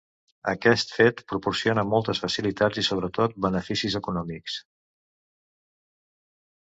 Aquest fet proporciona moltes facilitats i, sobretot, beneficis econòmics.